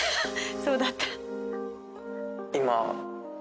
そうだった。